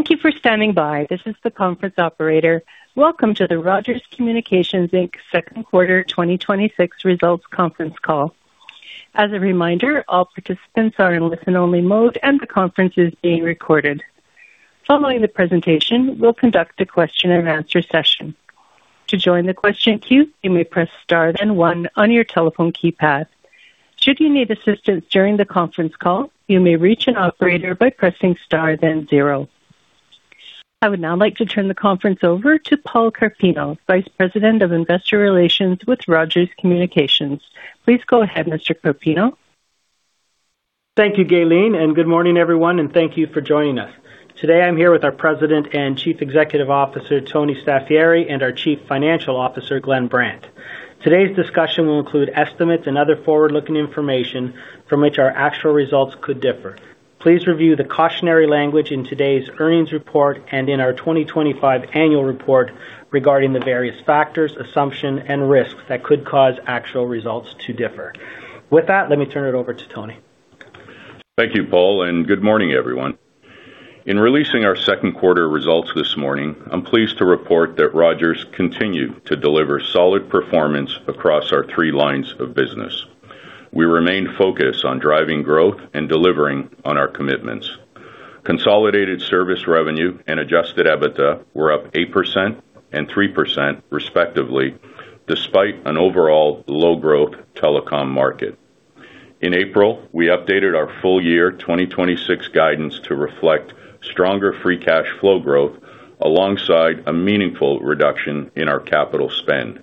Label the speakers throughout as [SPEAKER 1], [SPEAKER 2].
[SPEAKER 1] Thank you for standing by. This is the conference operator. Welcome to the Rogers Communications Inc. second quarter 2026 results conference call. As a reminder, all participants are in listen-only mode and the conference is being recorded. Following the presentation, we will conduct a question-and-answer session. To join the question queue, you may press star then one on your telephone keypad. Should you need assistance during the conference call, you may reach an operator by pressing star then zero. I would now like to turn the conference over to Paul Carpino, Vice President of Investor Relations with Rogers Communications. Please go ahead, Mr. Carpino.
[SPEAKER 2] Thank you, Gaylene. Good morning, everyone, and thank you for joining us. Today I am here with our President and Chief Executive Officer, Tony Staffieri, and our Chief Financial Officer, Glenn Brandt. Today's discussion will include estimates and other forward-looking information from which our actual results could differ. Please review the cautionary language in today's earnings report and in our 2025 annual report regarding the various factors, assumptions, and risks that could cause actual results to differ. With that, let me turn it over to Tony.
[SPEAKER 3] Thank you, Paul. Good morning, everyone. In releasing our second quarter results this morning, I am pleased to report that Rogers continued to deliver solid performance across our three lines of business. We remain focused on driving growth and delivering on our commitments. Consolidated service revenue and adjusted EBITDA were up 8% and 3% respectively, despite an overall low growth telecom market. In April, we updated our full-year 2026 guidance to reflect stronger free cash flow growth alongside a meaningful reduction in our capital spend.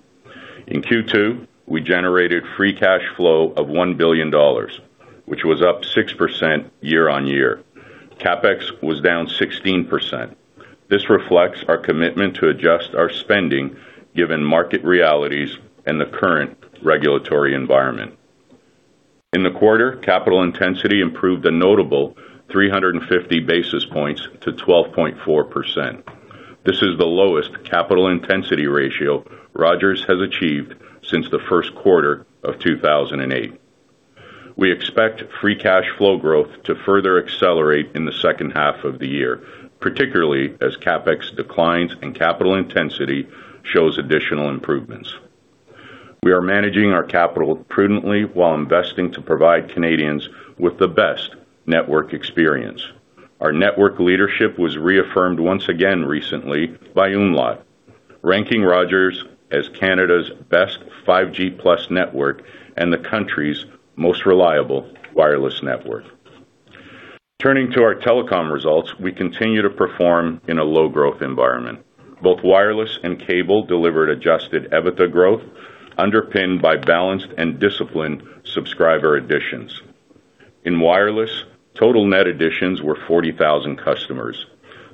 [SPEAKER 3] In Q2, we generated free cash flow of 1 billion dollars, which was up 6% year-on-year. CapEx was down 16%. This reflects our commitment to adjust our spending given market realities and the current regulatory environment. In the quarter, capital intensity improved a notable 350 basis points to 12.4%. This is the lowest capital intensity ratio Rogers has achieved since the first quarter of 2008. We expect free cash flow growth to further accelerate in the second half of the year, particularly as CapEx declines and capital intensity shows additional improvements. We are managing our capital prudently while investing to provide Canadians with the best network experience. Our network leadership was reaffirmed once again recently by umlaut, ranking Rogers as Canada's best 5G+ network and the country's most reliable wireless network. Turning to our telecom results, we continue to perform in a low growth environment. Both wireless and cable delivered adjusted EBITDA growth underpinned by balanced and disciplined subscriber additions. In wireless, total net additions were 40,000 customers.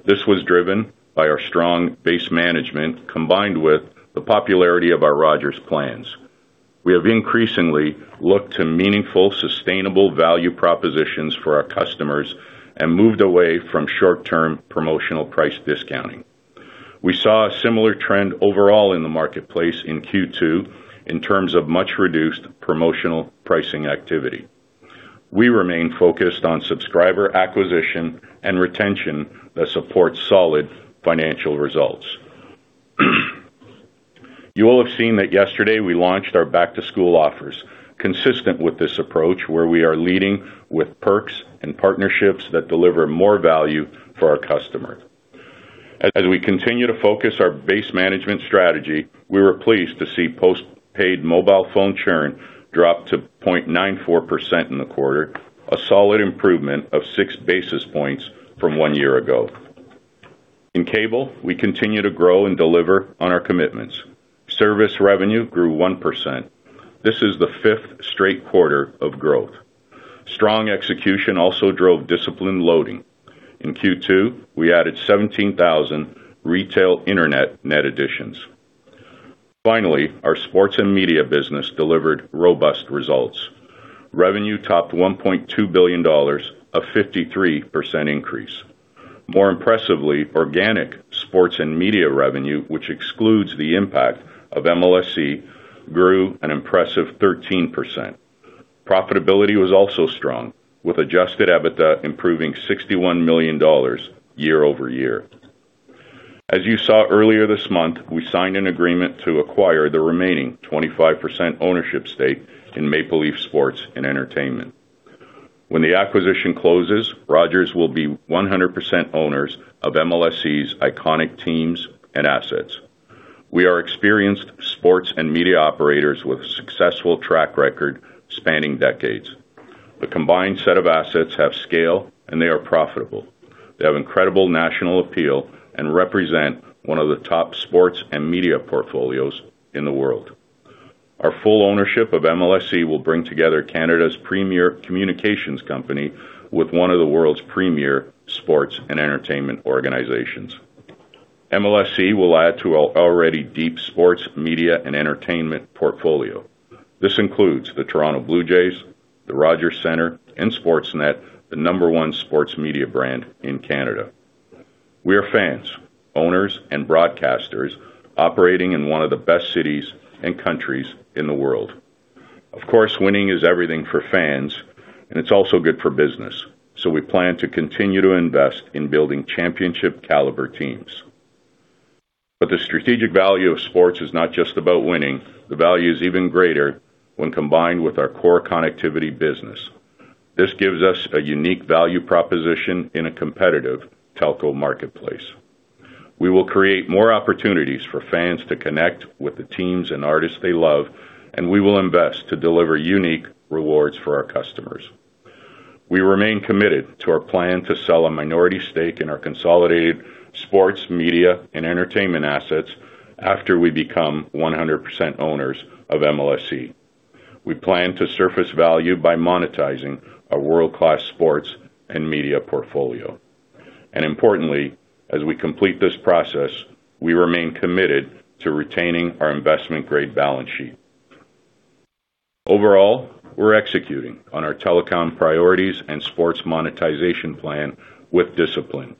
[SPEAKER 3] This was driven by our strong base management combined with the popularity of our Rogers plans. We have increasingly looked to meaningful, sustainable value propositions for our customers and moved away from short-term promotional price discounting. We saw a similar trend overall in the marketplace in Q2 in terms of much reduced promotional pricing activity. We remain focused on subscriber acquisition and retention that supports solid financial results. You will have seen that yesterday we launched our back-to-school offers consistent with this approach where we are leading with perks and partnerships that deliver more value for our customers. As we continue to focus our base management strategy, we were pleased to see postpaid mobile phone churn drop to 0.94% in the quarter, a solid improvement of 6 basis points from one year ago. In cable, we continue to grow and deliver on our commitments. Service revenue grew 1%. This is the fifth straight quarter of growth. Strong execution also drove disciplined loading. In Q2, we added 17,000 retail internet net additions. Finally, our sports and media business delivered robust results. Revenue topped 1.2 billion dollars, a 53% increase. More impressively, organic sports and media revenue, which excludes the impact of MLSE, grew an impressive 13%. Profitability was also strong, with adjusted EBITDA improving 61 million dollars year-over- year. As you saw earlier this month, we signed an agreement to acquire the remaining 25% ownership stake in Maple Leaf Sports & Entertainment. When the acquisition closes, Rogers will be 100% owners of MLSE's iconic teams and assets. We are experienced sports and media operators with a successful track record spanning decades. The combined set of assets have scale and they are profitable. They have incredible national appeal and represent one of the top sports and media portfolios in the world. Our full ownership of MLSE will bring together Canada's premier communications company with one of the world's premier sports and entertainment organizations. MLSE will add to our already deep sports, media, and entertainment portfolio. This includes the Toronto Blue Jays, the Rogers Centre, and Sportsnet, the number one sports media brand in Canada. We are fans, owners, and broadcasters operating in one of the best cities and countries in the world. Of course, winning is everything for fans, and it's also good for business. We plan to continue to invest in building championship caliber teams. The strategic value of sports is not just about winning. The value is even greater when combined with our core connectivity business. This gives us a unique value proposition in a competitive telco marketplace. We will create more opportunities for fans to connect with the teams and artists they love. We will invest to deliver unique rewards for our customers. We remain committed to our plan to sell a minority stake in our consolidated sports, media and entertainment assets after we become 100% owners of MLSE. We plan to surface value by monetizing our world-class sports and media portfolio. Importantly, as we complete this process, we remain committed to retaining our investment-grade balance sheet. Overall, we're executing on our telecom priorities and sports monetization plan with discipline.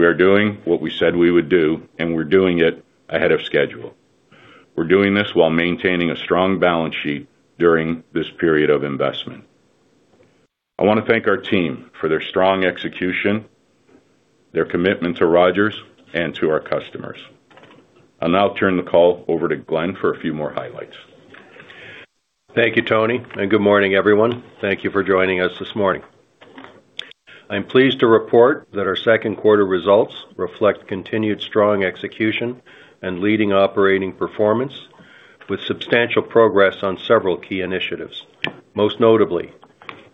[SPEAKER 3] We are doing what we said we would do, and we're doing it ahead of schedule. We're doing this while maintaining a strong balance sheet during this period of investment. I want to thank our team for their strong execution, their commitment to Rogers and to our customers. I'll now turn the call over to Glenn for a few more highlights.
[SPEAKER 4] Thank you, Tony. Good morning, everyone. Thank you for joining us this morning. I'm pleased to report that our second quarter results reflect continued strong execution and leading operating performance with substantial progress on several key initiatives. Most notably,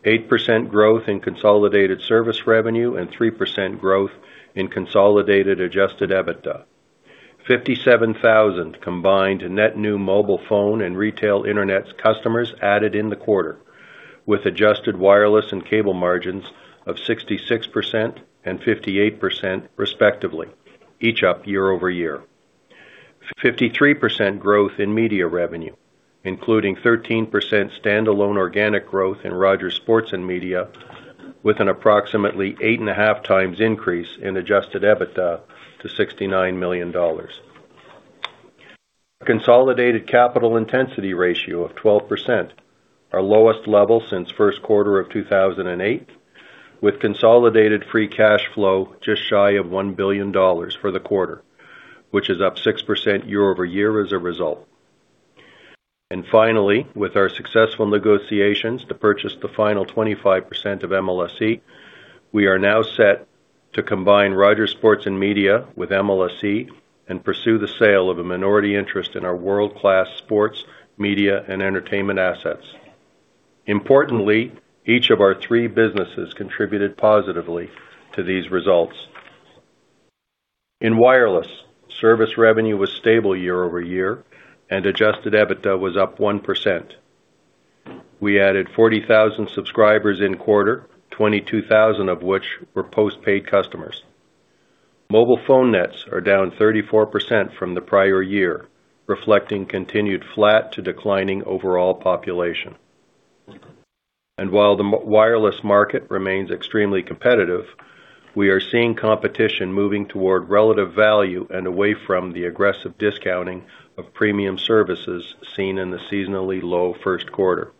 [SPEAKER 4] 8% growth in consolidated service revenue and 3% growth in consolidated adjusted EBITDA. 57,000 combined net new mobile phone and retail internet customers added in the quarter, with adjusted wireless and cable margins of 66% and 58% respectively, each up year-over-year. 53% growth in media revenue, including 13% standalone organic growth in Rogers Sports & Media, with an approximately 8.5x increase in adjusted EBITDA to 69 million dollars. Consolidated capital intensity ratio of 12%, our lowest level since first quarter of 2008, with consolidated free cash flow just shy of 1 billion dollars for the quarter, which is up 6% year-over-year as a result. Finally, with our successful negotiations to purchase the final 25% of MLSE, we are now set to combine Rogers Sports & Media with MLSE and pursue the sale of a minority interest in our world-class sports, media and entertainment assets. Importantly, each of our three businesses contributed positively to these results. In wireless, service revenue was stable year-over-year, and adjusted EBITDA was up 1%. We added 40,000 subscribers in quarter, 22,000 of which were postpaid customers. Mobile phone nets are down 34% from the prior year, reflecting continued flat to declining overall population. While the wireless market remains extremely competitive, we are seeing competition moving toward relative value and away from the aggressive discounting of premium services seen in the seasonally low first quarter.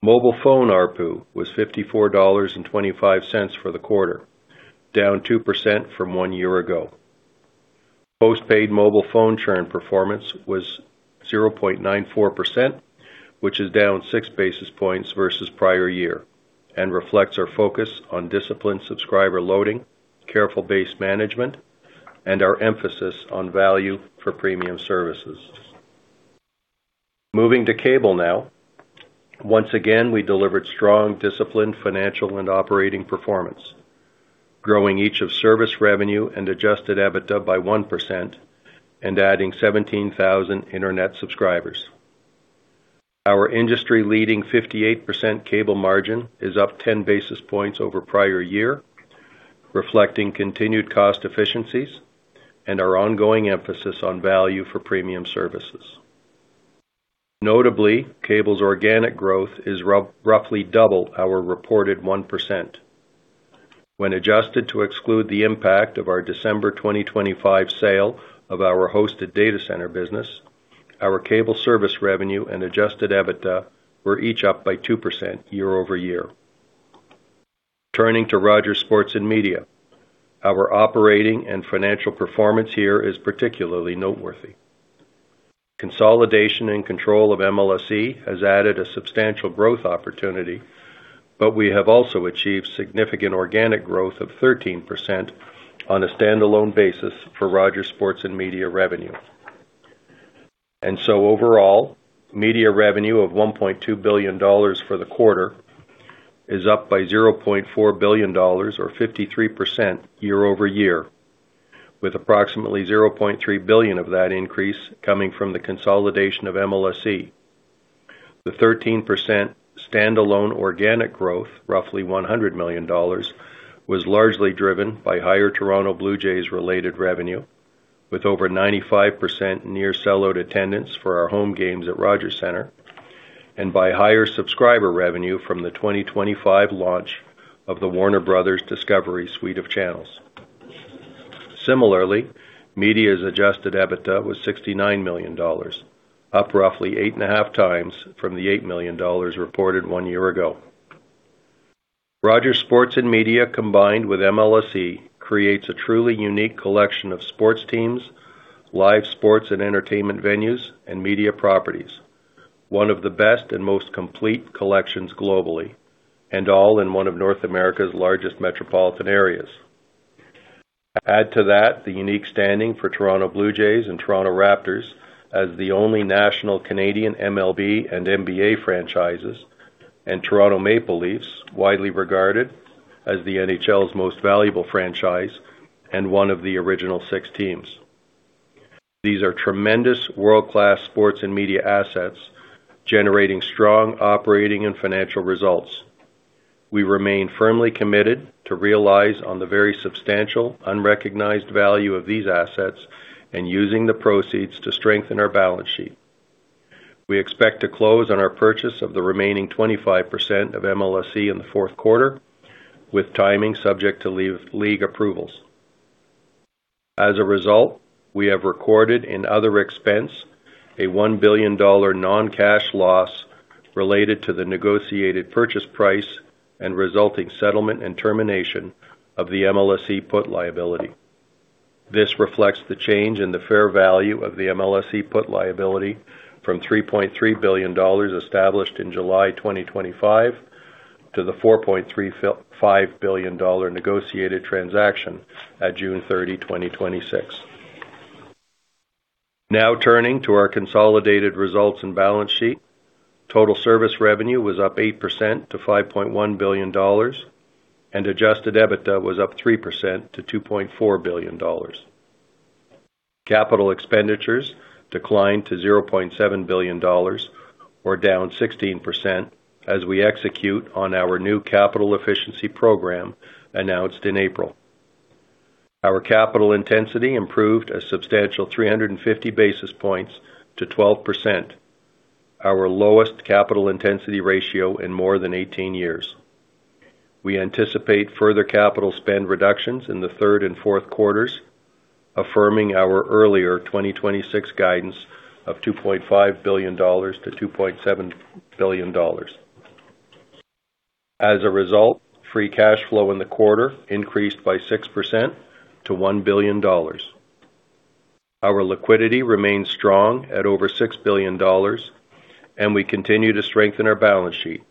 [SPEAKER 4] Mobile phone ARPU was 54.25 dollars for the quarter, down 2% from one year ago. Postpaid mobile phone churn performance was 0.94%, which is down 6 basis points versus prior year and reflects our focus on disciplined subscriber loading, careful base management, and our emphasis on value for premium services. Moving to cable now. Once again, we delivered strong, disciplined financial and operating performance, growing each of service revenue and adjusted EBITDA by 1% and adding 17,000 internet subscribers. Our industry-leading 58% cable margin is up 10 basis points over prior year, reflecting continued cost efficiencies and our ongoing emphasis on value for premium services. Notably, cable's organic growth is roughly double our reported 1%. When adjusted to exclude the impact of our December 2025 sale of our hosted data center business, our cable service revenue and adjusted EBITDA were each up by 2% year-over-year. Turning to Rogers Sports & Media, our operating and financial performance here is particularly noteworthy. Consolidation and control of MLSE has added a substantial growth opportunity, but we have also achieved significant organic growth of 13% on a standalone basis for Rogers Sports & Media revenue. Overall, media revenue of 1.2 billion dollars for the quarter is up by 0.4 billion dollars, or 53% year-over-year, with approximately 0.3 billion of that increase coming from the consolidation of MLSE. The 13% standalone organic growth, roughly 100 million dollars, was largely driven by higher Toronto Blue Jays related revenue, with over 95% near-sellout attendance for our home games at Rogers Centre and by higher subscriber revenue from the 2025 launch of the Warner Bros. Discovery suite of channels. Similarly, Media's adjusted EBITDA was 69 million dollars, up roughly 8.5x from the 8 million dollars reported one year ago. Rogers Sports & Media, combined with MLSE, creates a truly unique collection of sports teams, live sports and entertainment venues, and media properties, one of the best and most complete collections globally, and all in one of North America's largest metropolitan areas. Add to that the unique standing for Toronto Blue Jays and Toronto Raptors as the only national Canadian MLB and NBA franchises, and Toronto Maple Leafs, widely regarded as the NHL's most valuable franchise and one of the original six teams. These are tremendous world-class sports and media assets generating strong operating and financial results. We remain firmly committed to realize on the very substantial unrecognized value of these assets and using the proceeds to strengthen our balance sheet. We expect to close on our purchase of the remaining 25% of MLSE in the fourth quarter, with timing subject to league approvals. As a result, we have recorded in other expense a 1 billion dollar non-cash loss related to the negotiated purchase price and resulting settlement and termination of the MLSE put liability. This reflects the change in the fair value of the MLSE put liability from 3.3 billion dollars established in July 2025 to the 4.35 billion dollar negotiated transaction at June 30, 2026. Turning to our consolidated results and balance sheet. Total service revenue was up 8% to 5.1 billion dollars, and adjusted EBITDA was up 3% to 2.4 billion dollars. Capital expenditures declined to 0.7 billion dollars, or down 16%, as we execute on our new capital efficiency program announced in April. Our capital intensity improved a substantial 350 basis points to 12.4%, our lowest capital intensity ratio in more than 18 years. We anticipate further capital spend reductions in the third and fourth quarters, affirming our earlier 2026 guidance of 2.5 billion-2.7 billion dollars. As a result, free cash flow in the quarter increased by 6% to 1 billion dollars. Our liquidity remains strong at over 6 billion dollars, and we continue to strengthen our balance sheet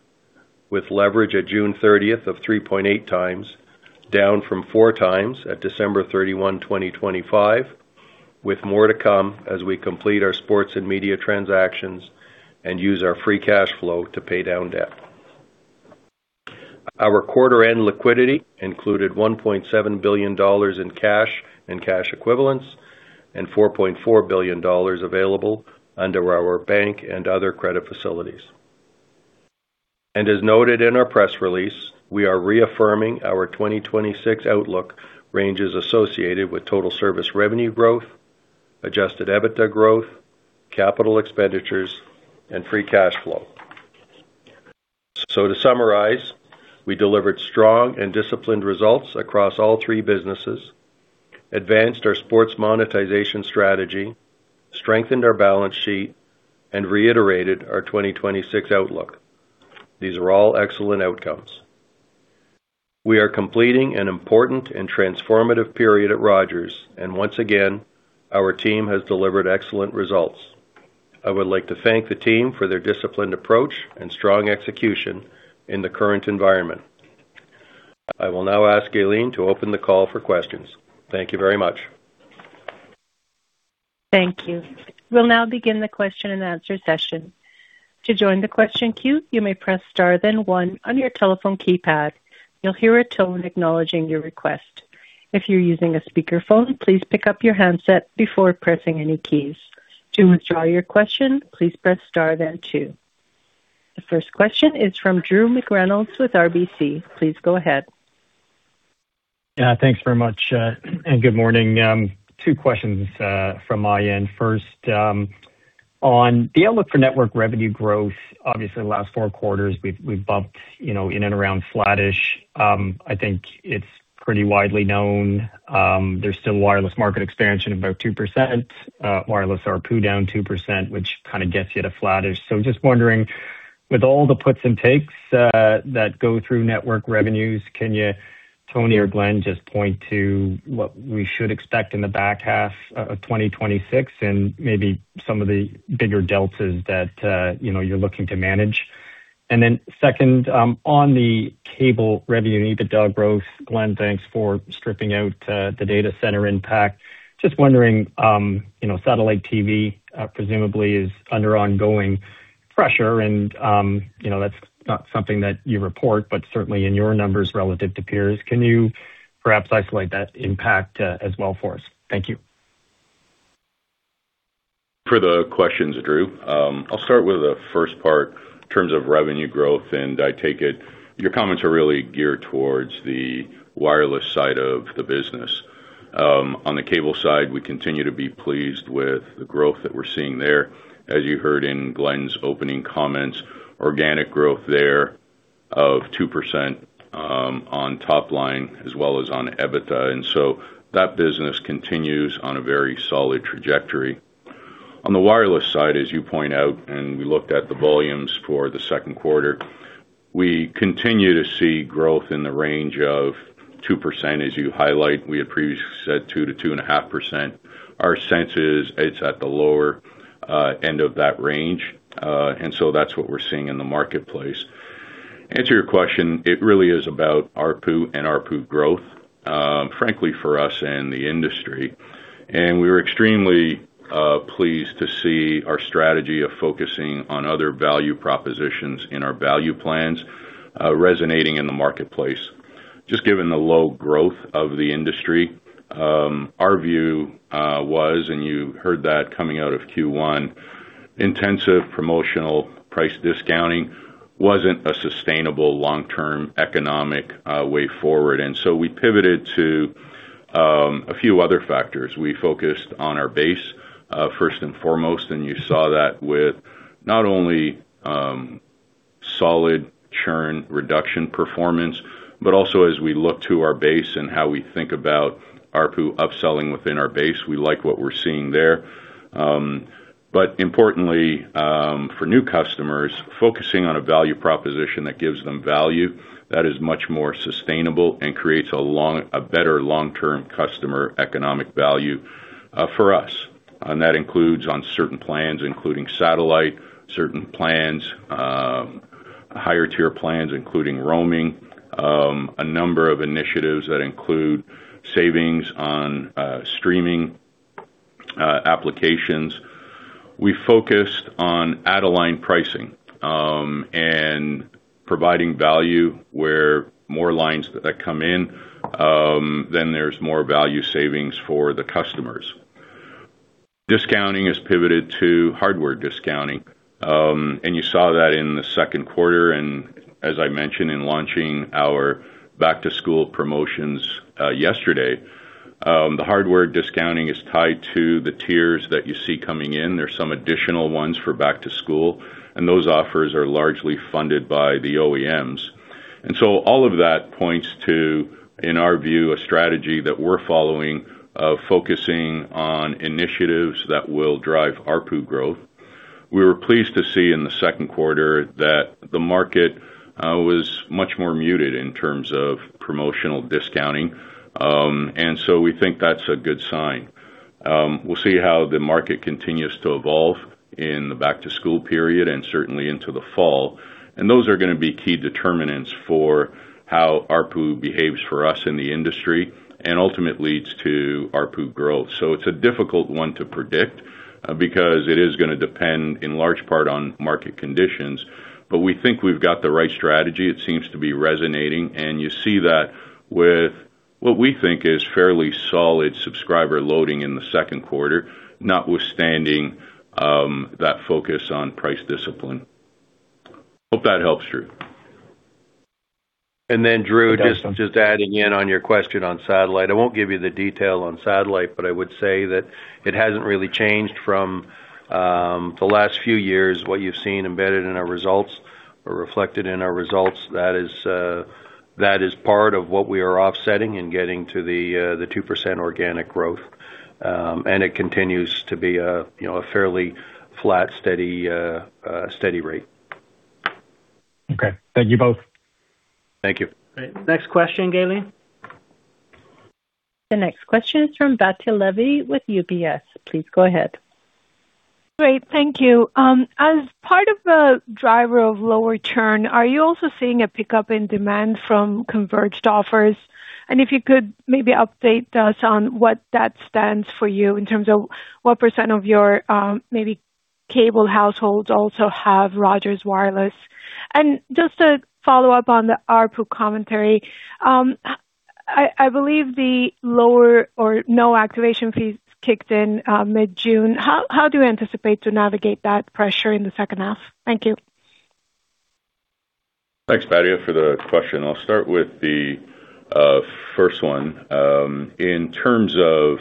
[SPEAKER 4] with leverage at June 30th of 3.8x, down from 4x at December 31, 2025, with more to come as we complete our sports and media transactions and use our free cash flow to pay down debt. Our quarter-end liquidity included 1.7 billion dollars in cash and cash equivalents and 4.4 billion dollars available under our bank and other credit facilities. As noted in our press release, we are reaffirming our 2026 outlook ranges associated with total service revenue growth, adjusted EBITDA growth, capital expenditures and free cash flow. To summarize, we delivered strong and disciplined results across all three businesses, advanced our sports monetization strategy, strengthened our balance sheet and reiterated our 2026 outlook. These are all excellent outcomes. We are completing an important and transformative period at Rogers, and once again, our team has delivered excellent results. I would like to thank the team for their disciplined approach and strong execution in the current environment. I will now ask Gaylene to open the call for questions. Thank you very much.
[SPEAKER 1] Thank you. We'll now begin the question-and-answer session. To join the question queue, you may press star then one on your telephone keypad. You'll hear a tone acknowledging your request. If you're using a speakerphone, please pick up your handset before pressing any keys. To withdraw your question, please press star then two. The first question is from Drew McReynolds with RBC. Please go ahead.
[SPEAKER 5] Thanks very much, and good morning. Two questions from my end. First, on the outlook for network revenue growth. Obviously, the last four quarters we've bumped in and around flattish. I think it's pretty widely known. There's still wireless market expansion of about 2%, wireless ARPU down 2%, which kind of gets you to flattish. Just wondering, with all the puts and takes that go through network revenues, can you, Tony or Glenn, just point to what we should expect in the back half of 2026 and maybe some of the bigger deltas that you're looking to manage? And then second, on the cable revenue, EBITDA growth. Glenn, thanks for stripping out the data center impact. Just wondering, satellite TV presumably is under ongoing pressure and that's not something that you report, but certainly in your numbers relative to peers. Can you perhaps isolate that impact as well for us? Thank you.
[SPEAKER 3] For the questions, Drew. I'll start with the first part in terms of revenue growth. I take it your comments are really geared towards the wireless side of the business. On the cable side, we continue to be pleased with the growth that we're seeing there. As you heard in Glenn's opening comments, organic growth there of 2% on top-line as well as on EBITDA. That business continues on a very solid trajectory. On the wireless side, as you point out, we looked at the volumes for the second quarter, we continue to see growth in the range of 2% as you highlight. We had previously said 2%-2.5%. Our sense is it's at the lower end of that range. That's what we're seeing in the marketplace. To answer your question, it really is about ARPU and ARPU growth, frankly, for us and the industry. We were extremely pleased to see our strategy of focusing on other value propositions in our value plans resonating in the marketplace. Just given the low growth of the industry, our view was, and you heard that coming out of Q1, intensive promotional price discounting wasn't a sustainable long-term economic way forward. We pivoted to a few other factors. We focused on our base, first and foremost, and you saw that with not only solid churn reduction performance, but also as we look to our base and how we think about ARPU upselling within our base. We like what we're seeing there. Importantly, for new customers, focusing on a value proposition that gives them value that is much more sustainable and creates a better long-term customer economic value for us. That includes on certain plans, including Satellite, certain plans, higher-tier plans, including roaming, a number of initiatives that include savings on streaming applications. We focused on add-a-line pricing, and providing value where more lines that come in, then there's more value savings for the customers. Discounting has pivoted to hardware discounting. You saw that in the second quarter, and as I mentioned, in launching our back-to-school promotions yesterday. The hardware discounting is tied to the tiers that you see coming in. There's some additional ones for back-to-school, and those offers are largely funded by the OEMs. All of that points to, in our view, a strategy that we're following of focusing on initiatives that will drive ARPU growth. We were pleased to see in the second quarter that the market was much more muted in terms of promotional discounting. We think that's a good sign. We'll see how the market continues to evolve in the back-to-school period and certainly into the fall. Those are going to be key determinants for how ARPU behaves for us in the industry and ultimately leads to ARPU growth. It's a difficult one to predict because it is going to depend in large part on market conditions. We think we've got the right strategy. It seems to be resonating, and you see that with what we think is fairly solid subscriber loading in the second quarter, notwithstanding that focus on price discipline. Hope that helps, Drew.
[SPEAKER 4] Drew, just adding in on your question on Satellite. I won't give you the detail on Satellite, but I would say that it hasn't really changed from the last few years. What you've seen embedded in our results or reflected in our results, that is part of what we are offsetting and getting to the 2% organic growth. It continues to be a fairly flat, steady rate.
[SPEAKER 5] Okay. Thank you both.
[SPEAKER 4] Thank you.
[SPEAKER 2] Next question, Gaylene.
[SPEAKER 1] The next question is from Batya Levi with UBS. Please go ahead.
[SPEAKER 6] Great. Thank you. As part of the driver of lower churn, are you also seeing a pickup in demand from converged offers? If you could maybe update us on what that stands for you in terms of what percent of your maybe cable households also have Rogers Wireless. Just to follow up on the ARPU commentary. I believe the lower or no activation fees kicked in mid-June. How do you anticipate to navigate that pressure in the second half? Thank you.
[SPEAKER 3] Thanks, Batya, for the question. I'll start with the first one. In terms of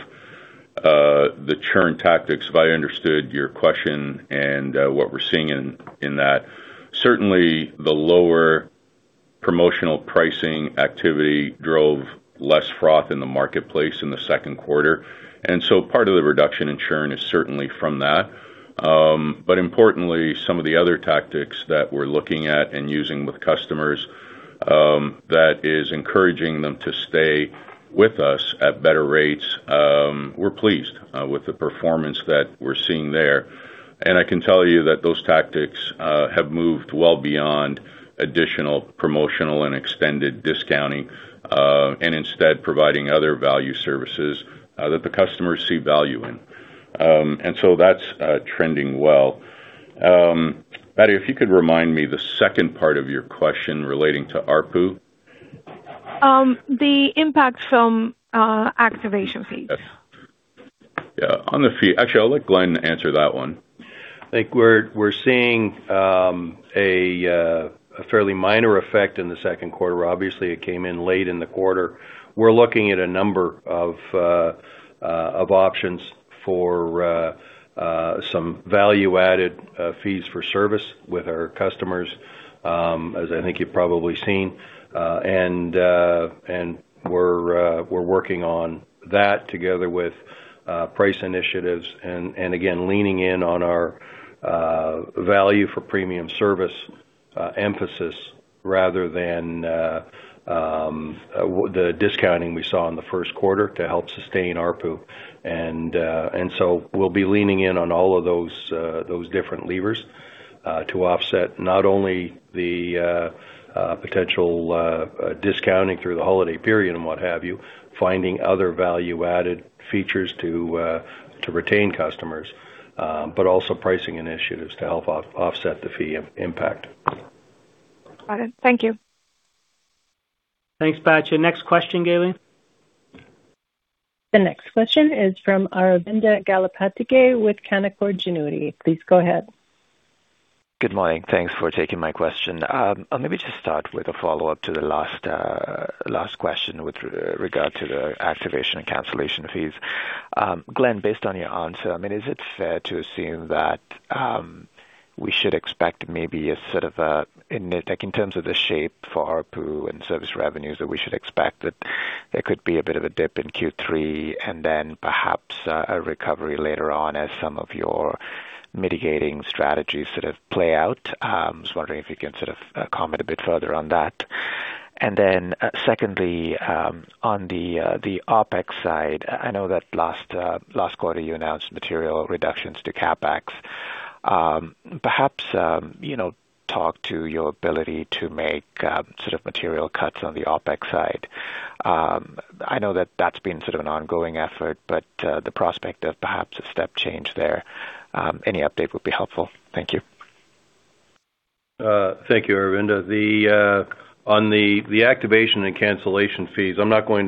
[SPEAKER 3] the churn tactics, if I understood your question and what we're seeing in that, certainly the lower promotional pricing activity drove less froth in the marketplace in the second quarter. Part of the reduction in churn is certainly from that. Importantly, some of the other tactics that we're looking at and using with customers that is encouraging them to stay with us at better rates, we're pleased with the performance that we're seeing there. I can tell you that those tactics have moved well beyond additional promotional and extended discounting, instead providing other value services that the customers see value in. That's trending well. Batya, if you could remind me the second part of your question relating to ARPU.
[SPEAKER 6] The impact from activation fees.
[SPEAKER 3] Yeah. On the fee, actually, I'll let Glenn answer that one.
[SPEAKER 4] I think we're seeing a fairly minor effect in the second quarter. Obviously, it came in late in the quarter. We're looking at a number of options for some value-added fees for service with our customers, as I think you've probably seen. We're working on that together with price initiatives and again, leaning in on our value for premium service emphasis rather than the discounting we saw in the first quarter to help sustain ARPU. We'll be leaning in on all of those different levers to offset not only the potential discounting through the holiday period and what have you, finding other value-added features to retain customers, but also pricing initiatives to help offset the fee impact.
[SPEAKER 6] Got it. Thank you.
[SPEAKER 2] Thanks, Batya. Next question, Gaylene.
[SPEAKER 1] The next question is from Aravinda Galappatthige with Canaccord Genuity. Please go ahead.
[SPEAKER 7] Good morning. Thanks for taking my question. Maybe just start with a follow-up to the last question with regard to the activation and cancellation fees. Glenn, based on your answer, is it fair to assume that we should expect maybe a sort of a, in terms of the shape for ARPU and service revenues, that we should expect that there could be a bit of a dip in Q3 and then perhaps a recovery later on as some of your mitigating strategies sort of play out? I'm just wondering if you can sort of comment a bit further on that. Secondly, on the OpEx side, I know that last quarter you announced material reductions to CapEx. Perhaps, talk to your ability to make sort of material cuts on the OpEx side. I know that that's been sort of an ongoing effort, but the prospect of perhaps a step change there. Any update would be helpful. Thank you.
[SPEAKER 4] Thank you, Aravinda. On the activation and cancellation fees, I'm not going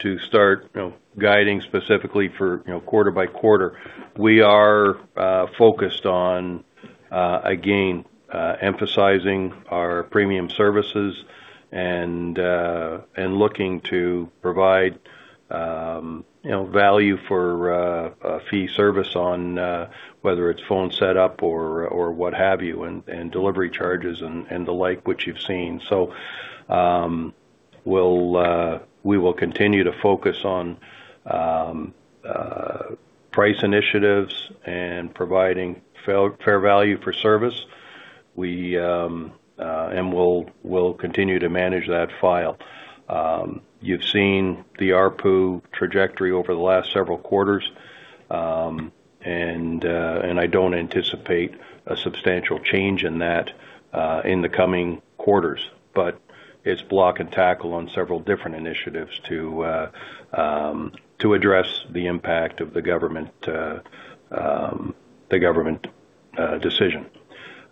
[SPEAKER 4] to start guiding specifically for quarter-by-quarter. We are focused on again, emphasizing our premium services and looking to provide value for a fee service on whether it's phone setup or what have you, and delivery charges and the like, which you've seen. We will continue to focus on price initiatives and providing fair value for service. We'll continue to manage that file. You've seen the ARPU trajectory over the last several quarters, and I don't anticipate a substantial change in that in the coming quarters. It's block and tackle on several different initiatives to address the impact of the government decision.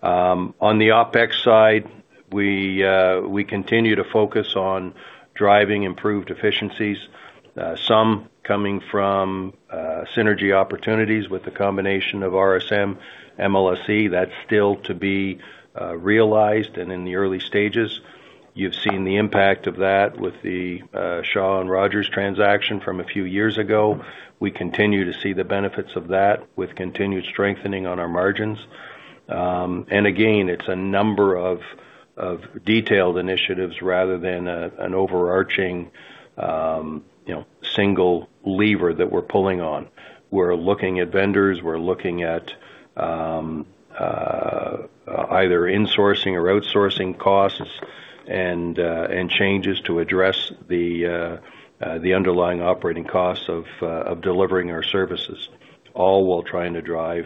[SPEAKER 4] On the OpEx side, we continue to focus on driving improved efficiencies, some coming from synergy opportunities with the combination of RSM, MLSE, that's still to be realized and in the early stages. You've seen the impact of that with the Shaw and Rogers transaction from a few years ago. We continue to see the benefits of that with continued strengthening on our margins. Again, it's a number of detailed initiatives rather than an overarching single lever that we're pulling on. We're looking at vendors, we're looking at either insourcing or outsourcing costs and changes to address the underlying operating costs of delivering our services, all while trying to drive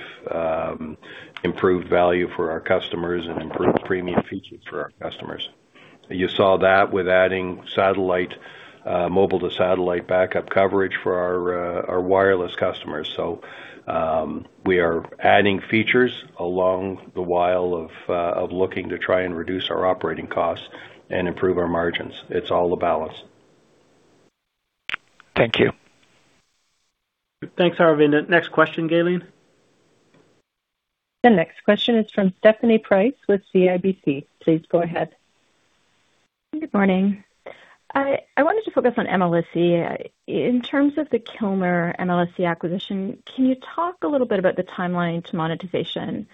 [SPEAKER 4] improved value for our customers and improved premium features for our customers. You saw that with adding mobile to satellite backup coverage for our wireless customers. We are adding features along the while of looking to try and reduce our operating costs and improve our margins. It's all a balance.
[SPEAKER 7] Thank you.
[SPEAKER 2] Thanks, Aravinda. Next question, Gaylene.
[SPEAKER 1] The next question is from Stephanie Price with CIBC. Please go ahead.
[SPEAKER 8] Good morning. I wanted to focus on MLSE. In terms of the Kilmer-MLSE acquisition, can you talk a little bit about the timeline to monetization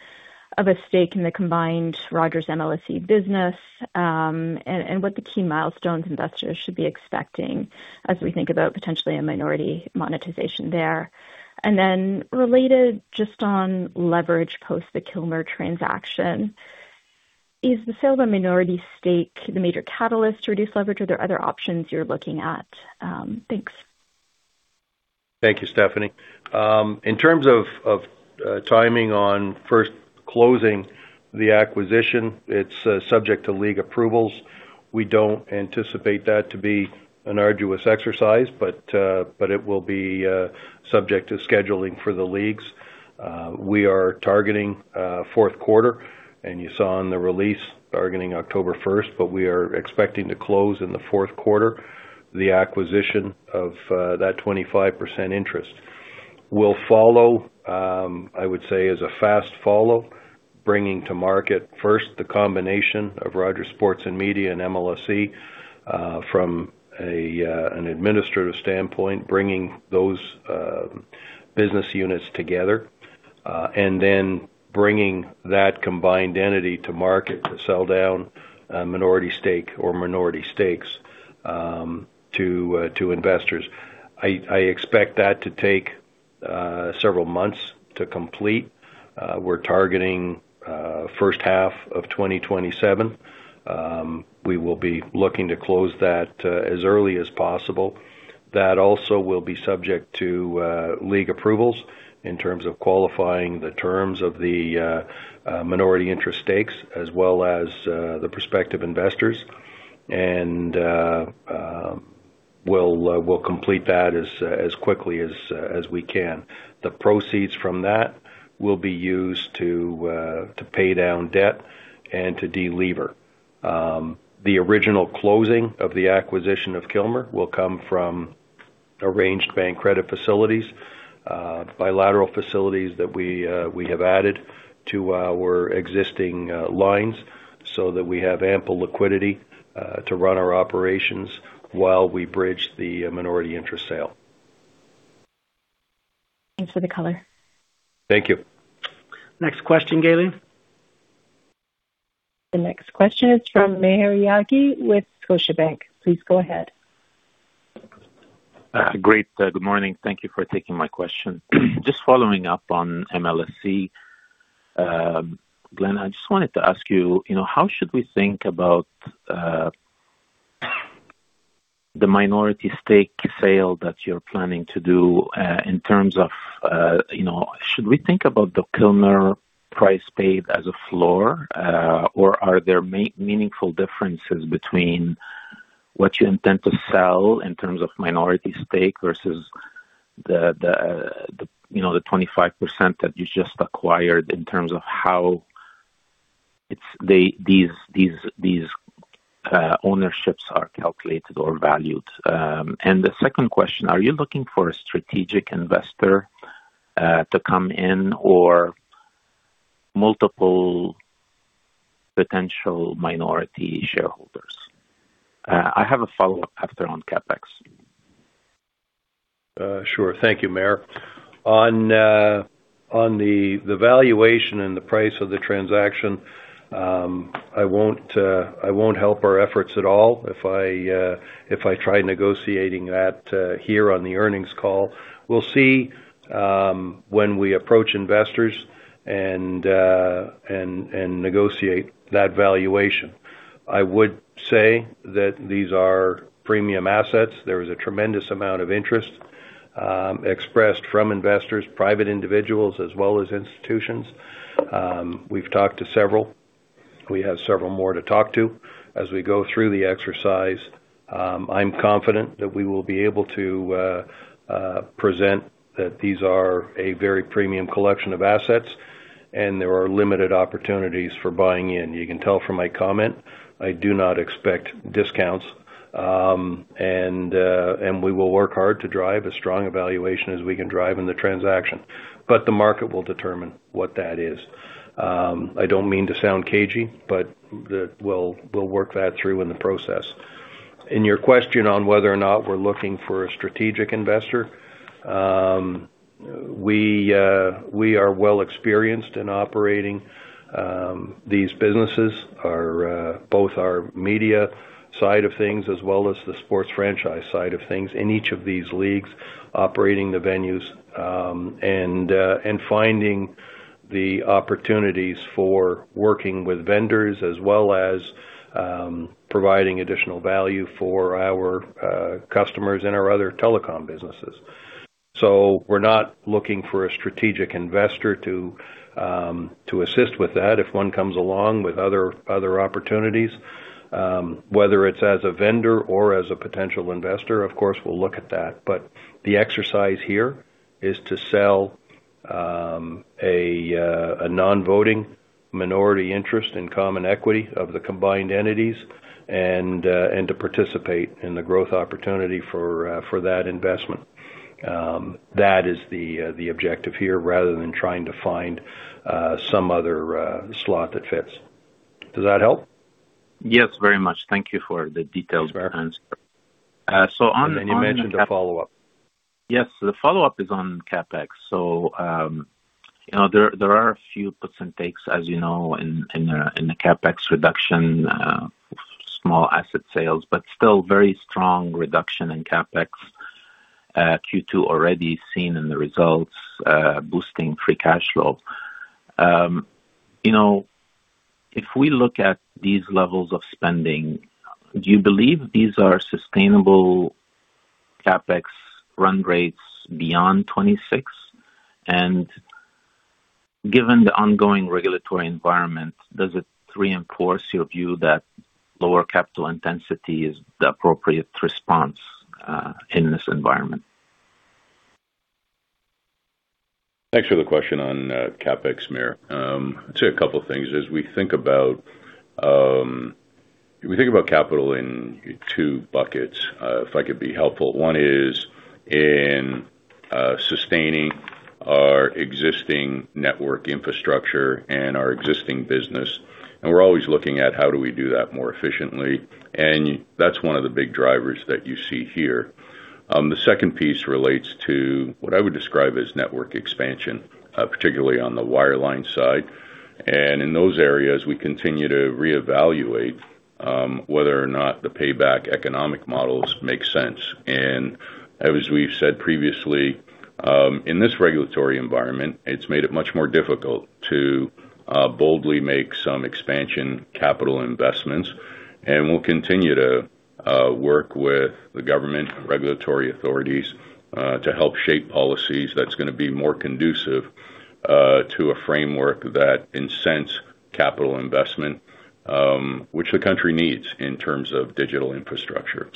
[SPEAKER 8] of a stake in the combined Rogers MLSE business and what the key milestones investors should be expecting as we think about potentially a minority monetization there? Related just on leverage post the Kilmer transaction. Is the sale of a minority stake the major catalyst to reduce leverage, or are there other options you're looking at? Thanks.
[SPEAKER 4] Thank you, Stephanie. In terms of timing on first closing the acquisition, it's subject to league approvals. We don't anticipate that to be an arduous exercise, but it will be subject to scheduling for the leagues. We are targeting fourth quarter, and you saw in the release targeting October 1st, but we are expecting to close in the fourth quarter, the acquisition of that 25% interest. We'll follow, I would say as a fast follow, bringing to market first the combination of Rogers Sports & Media and MLSE from an administrative standpoint, bringing those business units together. Bringing that combined entity to market to sell down a minority stake or minority stakes to investors. I expect that to take several months to complete. We're targeting first half of 2027. We will be looking to close that as early as possible. That also will be subject to league approvals in terms of qualifying the terms of the minority interest stakes as well as the prospective investors. We'll complete that as quickly as we can. The proceeds from that will be used to pay down debt and to delever. The original closing of the acquisition of Kilmer will come from arranged bank credit facilities, bilateral facilities that we have added to our existing lines so that we have ample liquidity to run our operations while we bridge the minority interest sale.
[SPEAKER 8] Thanks for the color.
[SPEAKER 4] Thank you.
[SPEAKER 2] Next question, Gaylene.
[SPEAKER 1] The next question is from Maher Yaghi with Scotiabank. Please go ahead.
[SPEAKER 9] Great. Good morning. Thank you for taking my question. Just following up on MLSE. Glenn, I just wanted to ask you, how should we think about the minority stake sale that you're planning to do in terms of should we think about the Kilmer price paid as a floor? Or are there meaningful differences between what you intend to sell in terms of minority stake versus the 25% that you just acquired in terms of how these ownerships are calculated or valued? The second question, are you looking for a strategic investor to come in or multiple potential minority shareholders? I have a follow-up after on CapEx.
[SPEAKER 4] Sure. Thank you, Maher. On the valuation and the price of the transaction, I won't help our efforts at all if I try negotiating that here on the earnings call. We'll see when we approach investors and negotiate that valuation. I would say that these are premium assets. There is a tremendous amount of interest expressed from investors, private individuals, as well as institutions. We've talked to several. We have several more to talk to. As we go through the exercise, I'm confident that we will be able to present that these are a very premium collection of assets and there are limited opportunities for buying in. You can tell from my comment, I do not expect discounts. We will work hard to drive as strong a valuation as we can drive in the transaction. The market will determine what that is. I don't mean to sound cagey, we'll work that through in the process. In your question on whether or not we're looking for a strategic investor, we are well experienced in operating these businesses, both our media side of things as well as the sports franchise side of things in each of these leagues, operating the venues, and finding the opportunities for working with vendors as well as providing additional value for our customers and our other telecom businesses. We're not looking for a strategic investor to assist with that. If one comes along with other opportunities, whether it's as a vendor or as a potential investor, of course, we'll look at that. The exercise here is to sell a non-voting minority interest in common equity of the combined entities and to participate in the growth opportunity for that investment. That is the objective here rather than trying to find some other slot that fits. Does that help?
[SPEAKER 9] Yes, very much. Thank you for the detailed answer.
[SPEAKER 4] You mentioned a follow-up.
[SPEAKER 9] Yes. The follow-up is on CapEx. There are a few puts and takes, as you know, in the CapEx reduction, small asset sales, but still very strong reduction in CapEx. Q2 already seen in the results, boosting free cash flow. If we look at these levels of spending, do you believe these are sustainable CapEx run-rates beyond 2026? Given the ongoing regulatory environment, does it reinforce your view that lower capital intensity is the appropriate response in this environment?
[SPEAKER 3] Thanks for the question on CapEx, Maher. We think about capital in two buckets, if I could be helpful. One is in sustaining our existing network infrastructure and our existing business. We're always looking at how do we do that more efficiently. That's one of the big drivers that you see here. The second piece relates to what I would describe as network expansion, particularly on the wireline side. In those areas, we continue to reevaluate whether or not the payback economic models make sense. As we've said previously, in this regulatory environment, it's made it much more difficult to boldly make some expansion capital investments. We'll continue to work with the government and regulatory authorities to help shape policies that's going to be more conducive to a framework that incents capital investment, which the country needs in terms of digital infrastructure.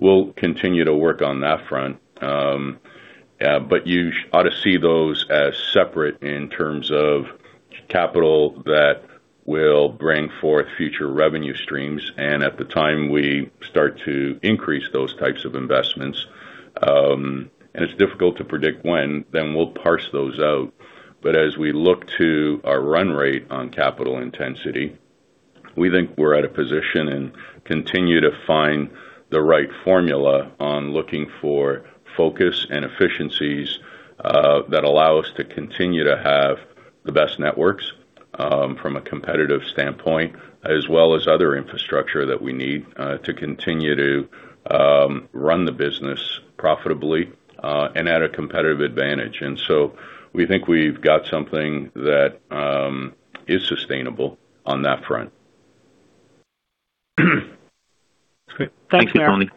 [SPEAKER 3] We'll continue to work on that front. You ought to see those as separate in terms of capital that will bring forth future revenue streams. At the time we start to increase those types of investments, and it's difficult to predict when, then we'll parse those out. As we look to our run-rate on capital intensity, we think we're at a position and continue to find the right formula on looking for focus and efficiencies that allow us to continue to have the best networks from a competitive standpoint, as well as other infrastructure that we need to continue to run the business profitably and at a competitive advantage. We think we've got something that is sustainable on that front.
[SPEAKER 9] Great. Thanks, Tony.
[SPEAKER 2] Thanks,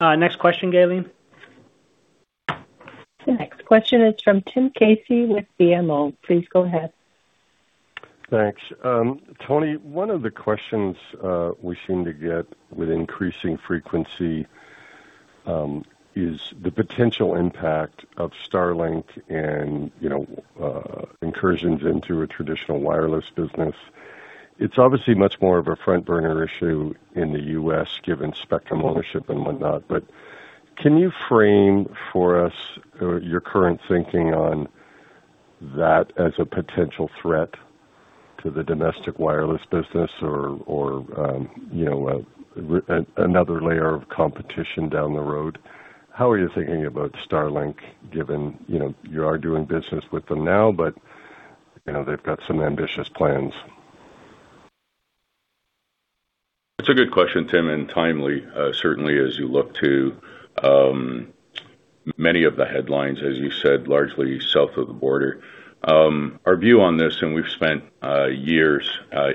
[SPEAKER 2] Maher. Next question, Gaylene.
[SPEAKER 1] The next question is from Tim Casey with BMO. Please go ahead.
[SPEAKER 10] Thanks. Tony, one of the questions we seem to get with increasing frequency is the potential impact of Starlink and incursions into a traditional wireless business. It's obviously much more of a front-burner issue in the U.S., given spectrum ownership and whatnot. Can you frame for us your current thinking on that as a potential threat to the domestic wireless business or another layer of competition down the road? How are you thinking about Starlink, given you are doing business with them now, but they've got some ambitious plans?
[SPEAKER 3] That's a good question, Tim, timely, certainly as you look to many of the headlines, as you said, largely south of the border. Our view on this, we've spent years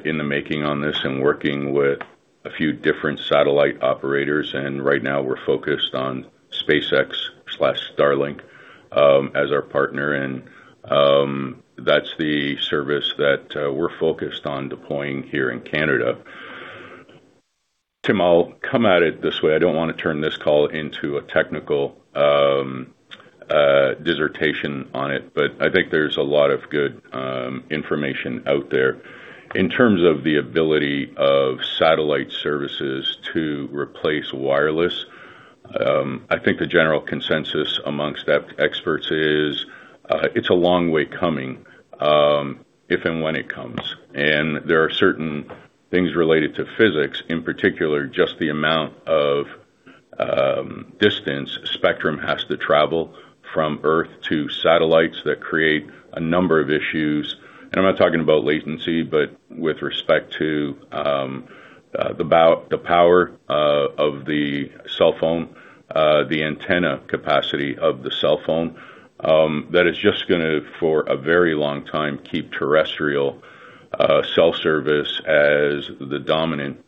[SPEAKER 3] in the making on this and working with a few different satellite operators, and right now we're focused on SpaceX/Starlink as our partner. That's the service that we're focused on deploying here in Canada. Tim, I'll come at it this way. I don't want to turn this call into a technical dissertation on it, I think there's a lot of good information out there. In terms of the ability of satellite services to replace wireless, I think the general consensus amongst experts is it's a long way coming, if and when it comes. There are certain things related to physics, in particular, just the amount of distance spectrum has to travel from Earth to satellites that create a number of issues. I'm not talking about latency, but with respect to the power of the cell phone, the antenna capacity of the cell phone. That is just going to, for a very long time, keep terrestrial cell service as the dominant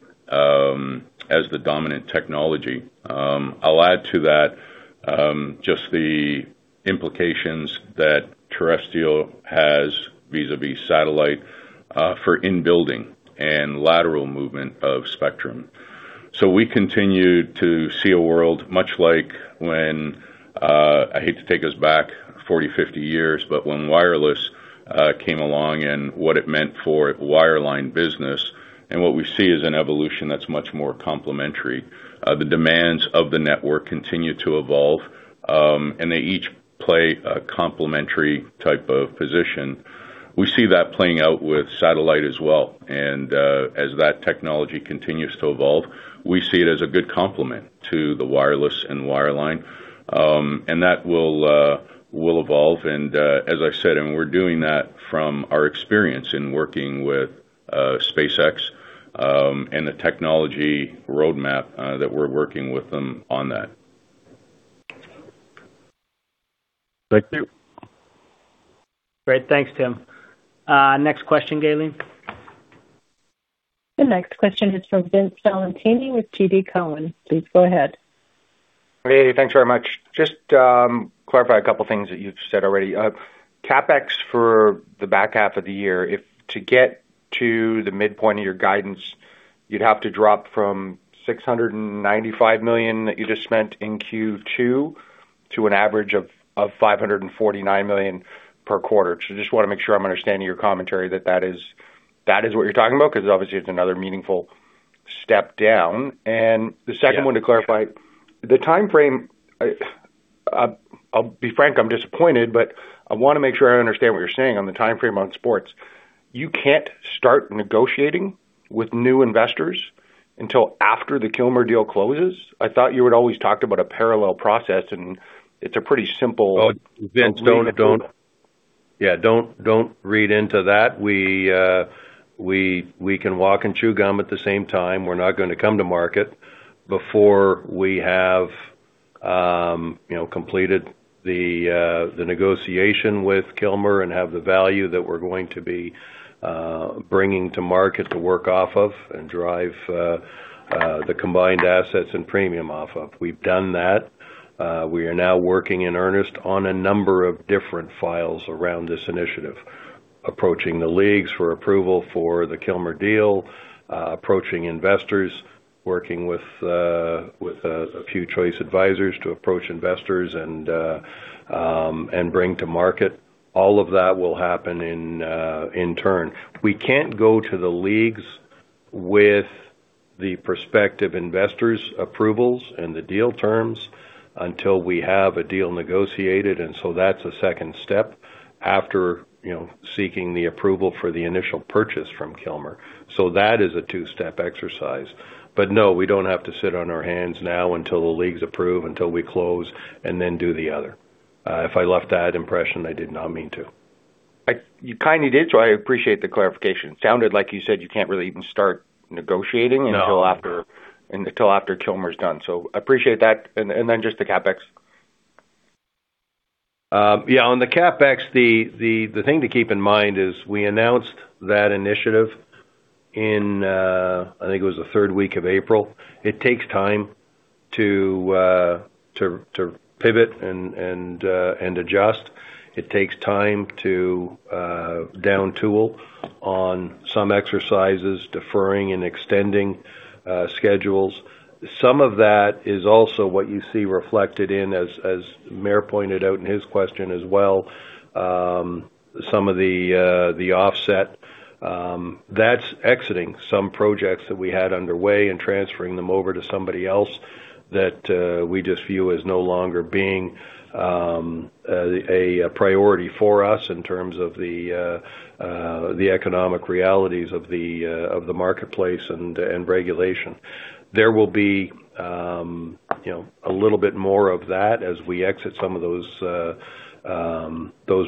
[SPEAKER 3] technology. I'll add to that just the implications that terrestrial has vis-à-vis satellite for in-building and lateral movement of spectrum. We continue to see a world much like when, I hate to take us back 40-50 years, but when wireless came along and what it meant for wireline business, and what we see is an evolution that's much more complementary. The demands of the network continue to evolve, and they each play a complementary type of position. We see that playing out with satellite as well. As that technology continues to evolve, we see it as a good complement to the wireless and wireline. That will evolve. As I said, and we're doing that from our experience in working with SpaceX, and the technology roadmap that we're working with them on that.
[SPEAKER 10] Thank you.
[SPEAKER 2] Great. Thanks, Tim. Next question, Gaylene.
[SPEAKER 1] The next question is from Vince Valentini with TD Cowen. Please go ahead.
[SPEAKER 11] Hey, thanks very much. Just clarify a couple of things that you've said already. CapEx for the back half of the year, to get to the midpoint of your guidance, you'd have to drop from 695 million that you just spent in Q2 to an average of 549 million per quarter. Just want to make sure I'm understanding your commentary, that is what you're talking about, because obviously it's another meaningful step down. The second one to clarify, the timeframe. I'll be frank, I'm disappointed, but I want to make sure I understand what you're saying on the timeframe on sports. You can't start negotiating with new investors until after the Kilmer deal closes? I thought you had always talked about a parallel process, and it's a pretty simple-
[SPEAKER 4] Oh, Vince, don't read into that. We can walk and chew gum at the same time. We're not going to come to market before we have completed the negotiation with Kilmer and have the value that we're going to be bringing to market to work off of and drive the combined assets and premium off of. We've done that. We are now working in earnest on a number of different files around this initiative: approaching the leagues for approval for the Kilmer deal, approaching investors, working with a few choice advisors to approach investors and bring to market. All of that will happen in turn. We can't go to the leagues with the prospective investors approvals and the deal terms until we have a deal negotiated, that's a second step after seeking the approval for the initial purchase from Kilmer. That is a two-step exercise. No, we don't have to sit on our hands now until the leagues approve, until we close and then do the other. If I left that impression, I did not mean to.
[SPEAKER 11] You kind of did. I appreciate the clarification. Sounded like you said you can't really even start negotiating-
[SPEAKER 4] No
[SPEAKER 11] until after Kilmer's done. Appreciate that. Just the CapEx.
[SPEAKER 4] Yeah. On the CapEx, the thing to keep in mind is we announced that initiative in, I think it was the third week of April. It takes time to pivot and adjust. It takes time to down tool on some exercises, deferring and extending schedules. Some of that is also what you see reflected in, as Maher pointed out in his question as well, some of the offset. That's exiting some projects that we had underway and transferring them over to somebody else that we just view as no longer being a priority for us in terms of the economic realities of the marketplace and regulation. There will be a little bit more of that as we exit some of those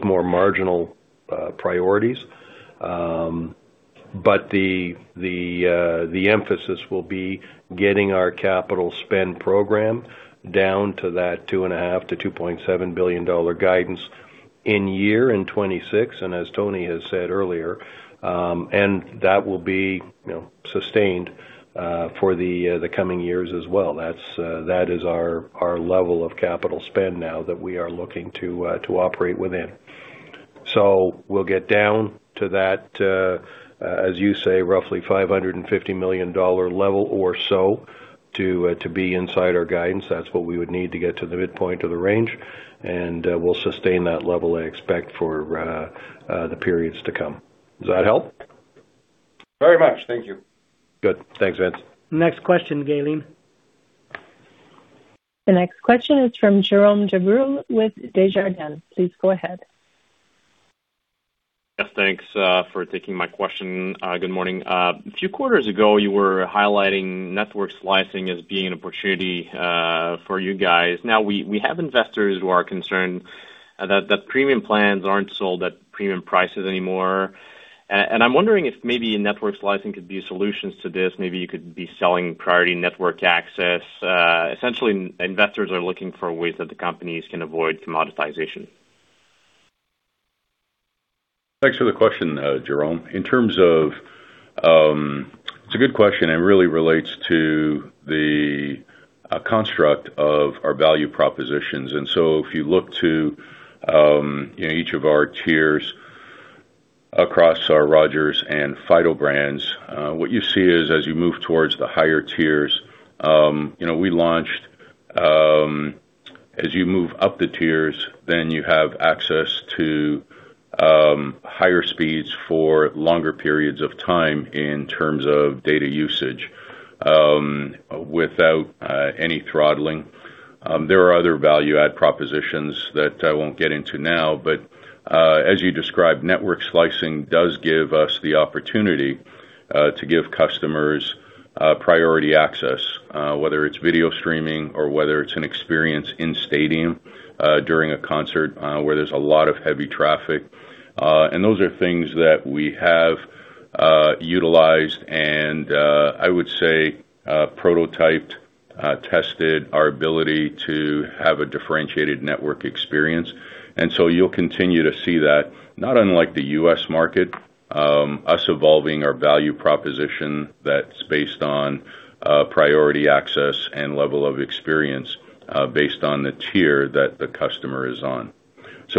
[SPEAKER 4] more marginal priorities. The emphasis will be getting our capital spend program down to that 2.5 billion-2.7 billion dollar guidance in year in 2026. As Tony has said earlier, that will be sustained for the coming years as well. That is our level of capital spend now that we are looking to operate within. We'll get down to that, as you say, roughly 550 million dollar level or so to be inside our guidance. That's what we would need to get to the midpoint of the range, and we'll sustain that level, I expect, for the periods to come. Does that help?
[SPEAKER 11] Very much. Thank you.
[SPEAKER 4] Good. Thanks, Vince.
[SPEAKER 2] Next question, Gaylene.
[SPEAKER 1] The next question is from Jerome Giroux with Desjardins. Please go ahead.
[SPEAKER 12] Yes, thanks for taking my question. Good morning. A few quarters ago, you were highlighting network slicing as being an opportunity for you guys. Now we have investors who are concerned that premium plans aren't sold at premium prices anymore. I'm wondering if maybe network slicing could be a solution to this. Maybe you could be selling priority network access. Essentially, investors are looking for ways that the companies can avoid commoditization.
[SPEAKER 3] Thanks for the question, Jerome. It's a good question. Really relates to the construct of our value propositions. If you look to each of our tiers across our Rogers and Fido brands, what you see is as you move towards the higher tiers, as you move up the tiers, then you have access to higher speeds for longer periods of time in terms of data usage without any throttling. There are other value add propositions that I won't get into now, but as you described, network slicing does give us the opportunity to give customers priority access, whether it's video streaming or whether it's an experience in stadium during a concert where there's a lot of heavy traffic. Those are things that we have utilized and I would say prototyped, tested our ability to have a differentiated network experience. You'll continue to see that, not unlike the U.S. market, us evolving our value proposition that's based on priority access and level of experience, based on the tier that the customer is on.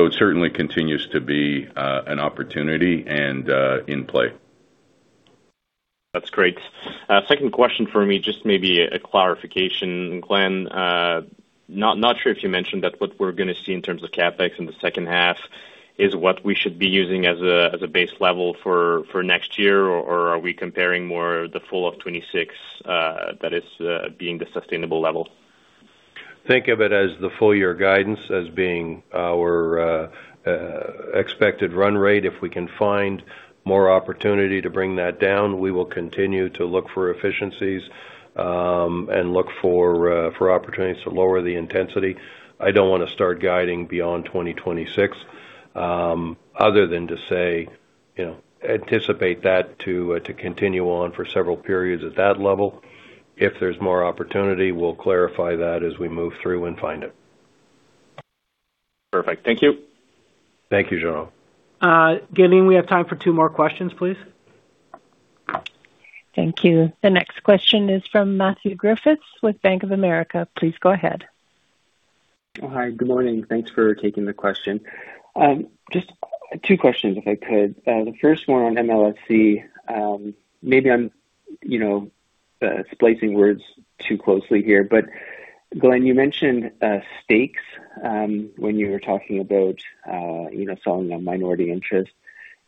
[SPEAKER 3] It certainly continues to be an opportunity and in play.
[SPEAKER 12] That's great. Second question for me, just maybe a clarification, Glenn. Not sure if you mentioned that what we're going to see in terms of CapEx in the second half is what we should be using as a base level for next year, or are we comparing more the full of 2026, that it's being the sustainable level?
[SPEAKER 4] Think of it as the full-year guidance as being our expected run-rate. If we can find more opportunity to bring that down, we will continue to look for efficiencies, and look for opportunities to lower the intensity. I don't want to start guiding beyond 2026, other than to say anticipate that to continue on for several periods at that level. If there's more opportunity, we'll clarify that as we move through and find it.
[SPEAKER 12] Perfect. Thank you.
[SPEAKER 4] Thank you, Jerome.
[SPEAKER 2] Gaylene, we have time for two more questions, please.
[SPEAKER 1] Thank you. The next question is from Matthew Griffiths with Bank of America. Please go ahead.
[SPEAKER 13] Hi. Good morning. Thanks for taking the question. Just two questions, if I could. The first one on MLSE, maybe I'm splicing words too closely here, Glenn, you mentioned stakes when you were talking about selling a minority interest.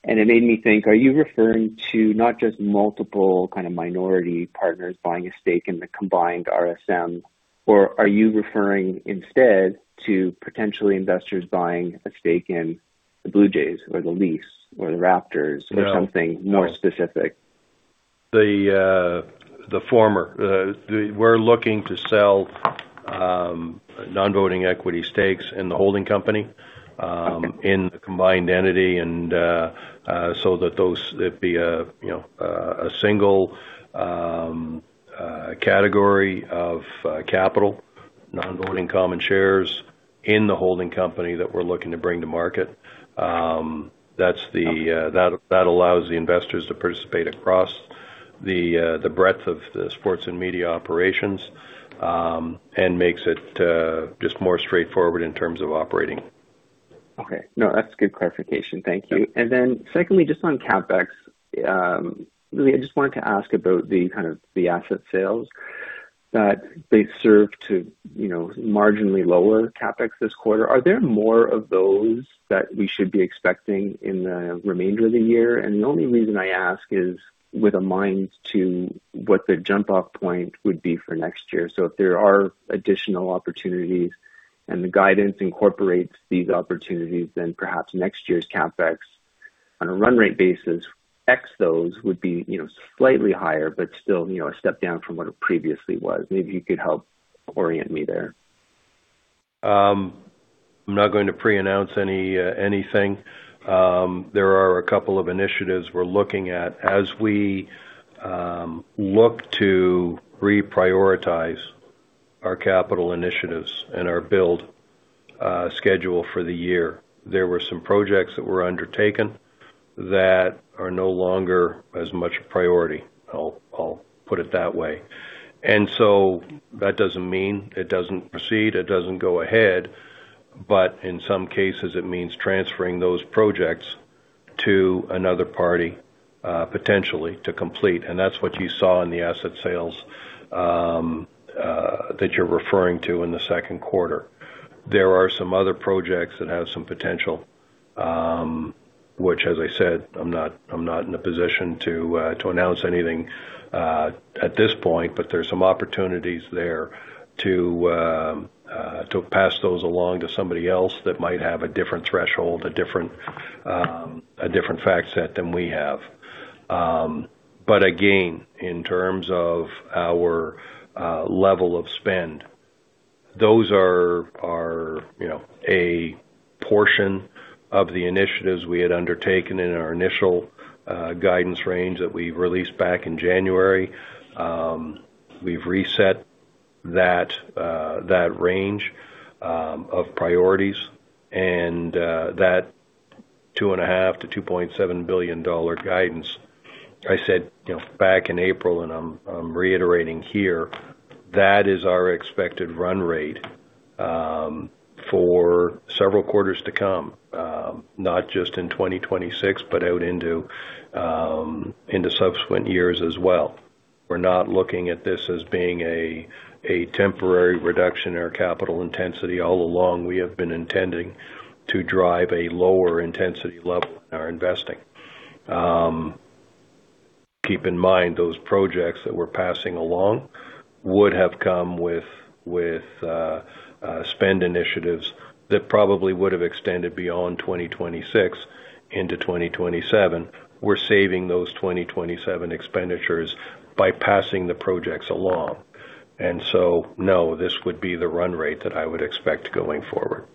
[SPEAKER 13] It made me think, are you referring to not just multiple kind of minority partners buying a stake in the combined RSM, or are you referring instead to potentially investors buying a stake in the Blue Jays or the Leafs or the Raptors or something more specific?
[SPEAKER 4] The former. We're looking to sell non-voting equity stakes in the holding company-
[SPEAKER 13] Okay
[SPEAKER 4] in the combined entity, it'd be a single category of capital, non-voting common shares in the holding company that we're looking to bring to market. That allows the investors to participate across the breadth of the sports and media operations, and makes it just more straightforward in terms of operating.
[SPEAKER 13] No, that's good clarification. Thank you. Secondly, just on CapEx, really, I just wanted to ask about the asset sales that they served to marginally lower CapEx this quarter. Are there more of those that we should be expecting in the remainder of the year? The only reason I ask is with a mind to what the jump-off point would be for next year. If there are additional opportunities and the guidance incorporates these opportunities, then perhaps next year's CapEx on a run-rate basis, ex those, would be slightly higher but still a step down from what it previously was. Maybe you could help orient me there.
[SPEAKER 4] I'm not going to pre-announce anything. There are a couple of initiatives we're looking at. As we look to reprioritize our capital initiatives and our build schedule for the year, there were some projects that were undertaken that are no longer as much a priority. I'll put it that way. That doesn't mean it doesn't proceed, it doesn't go ahead. In some cases, it means transferring those projects to another party, potentially to complete. That's what you saw in the asset sales that you're referring to in the second quarter. There are some other projects that have some potential, which as I said, I'm not in a position to announce anything at this point. There's some opportunities there to pass those along to somebody else that might have a different threshold, a different fact set than we have. Again, in terms of our level of spend, those are a portion of the initiatives we had undertaken in our initial guidance range that we released back in January. We've reset that range of priorities and that 2.5 billion-2.7 billion dollar guidance I said back in April, and I'm reiterating here, that is our expected run-rate for several quarters to come, not just in 2026, but out into subsequent years as well. We're not looking at this as being a temporary reduction in our capital intensity. All along, we have been intending to drive a lower intensity level in our investing. Keep in mind, those projects that we're passing along would have come with spend initiatives that probably would have extended beyond 2026 into 2027. We're saving those 2027 expenditures by passing the projects along. No, this would be the run-rate that I would expect going forward.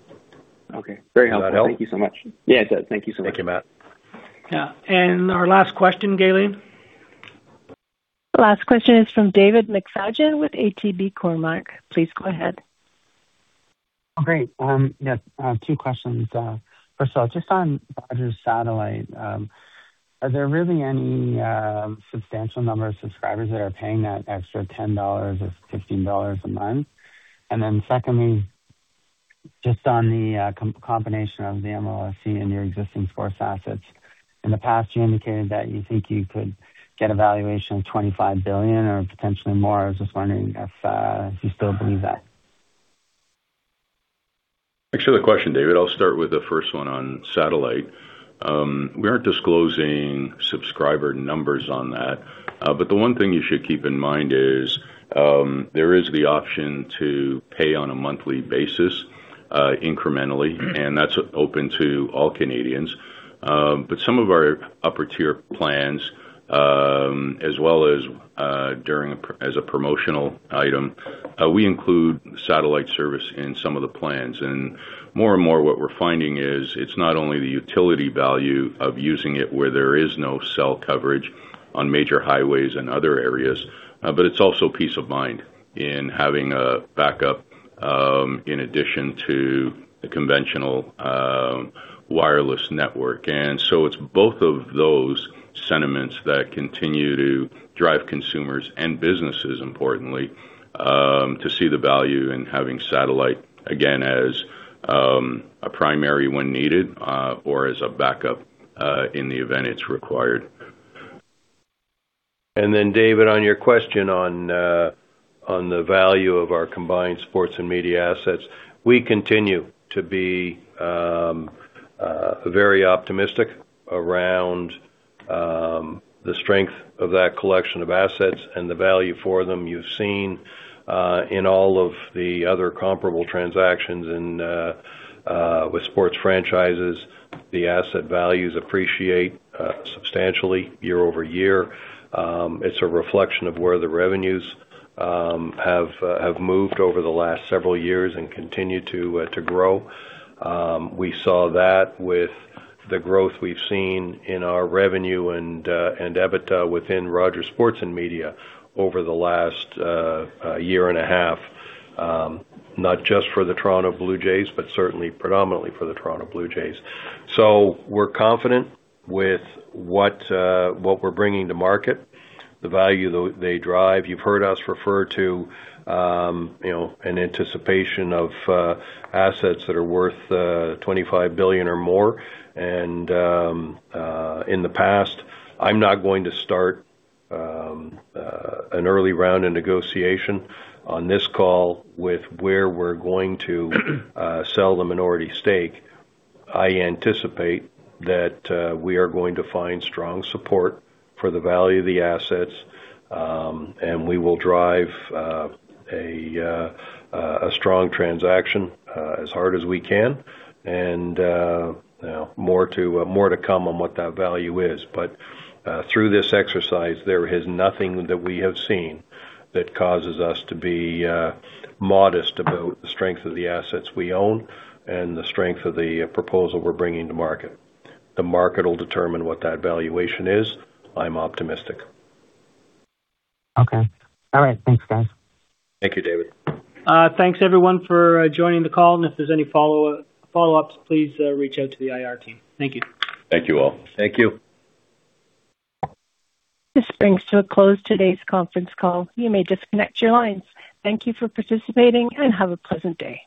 [SPEAKER 13] Okay. Very helpful.
[SPEAKER 4] That help?
[SPEAKER 13] Thank you so much. Yeah, it does. Thank you so much.
[SPEAKER 4] Thank you, Matt.
[SPEAKER 2] Yeah. Our last question, Gaylene.
[SPEAKER 1] Last question is from David McFadgen with ATB Cormark. Please go ahead.
[SPEAKER 14] Great. Yeah, two questions. First of all, just on Rogers Satellite, are there really any substantial number of subscribers that are paying that extra 10 dollars or 15 dollars a month? Then secondly, just on the combination of the MLSE and your existing sports assets. In the past, you indicated that you think you could get a valuation of 25 billion or potentially more. I was just wondering if you still believe that.
[SPEAKER 3] Actually, good question, David. I'll start with the first one on Satellite. We aren't disclosing subscriber numbers on that. The one thing you should keep in mind is, there is the option to pay on a monthly basis, incrementally, and that's open to all Canadians. Some of our upper-tier plans, as well as during, as a promotional item, we include satellite service in some of the plans. More and more, what we're finding is it's not only the utility value of using it where there is no cell coverage on major highways and other areas, but it's also peace of mind in having a backup in addition to the conventional wireless network. It's both of those sentiments that continue to drive consumers and businesses, importantly, to see the value in having Satellite, again, as a primary when needed, or as a backup, in the event it's required.
[SPEAKER 4] David, on your question on the value of our combined sports and media assets, we continue to be very optimistic around the strength of that collection of assets and the value for them. You've seen in all of the other comparable transactions and with sports franchises, the asset values appreciate substantially year-over-year. It's a reflection of where the revenues have moved over the last several years and continue to grow. We saw that with the growth we've seen in our revenue and EBITDA within Rogers Sports & Media over the last year and a half, not just for the Toronto Blue Jays, but certainly predominantly for the Toronto Blue Jays. We're confident with what we're bringing to market, the value they drive. You've heard us refer to an anticipation of assets that are worth 25 billion or more in the past. I'm not going to start an early round of negotiation on this call with where we're going to sell the minority stake. I anticipate that we are going to find strong support for the value of the assets, and we will drive a strong transaction as hard as we can. More to come on what that value is. Through this exercise, there is nothing that we have seen that causes us to be modest about the strength of the assets we own and the strength of the proposal we're bringing to market. The market will determine what that valuation is. I'm optimistic.
[SPEAKER 14] Okay. All right. Thanks, guys.
[SPEAKER 4] Thank you, David.
[SPEAKER 2] Thanks everyone for joining the call, and if there's any follow-ups, please reach out to the IR team. Thank you.
[SPEAKER 3] Thank you all.
[SPEAKER 4] Thank you.
[SPEAKER 1] This brings to a close today's conference call. You may disconnect your lines. Thank you for participating, and have a pleasant day.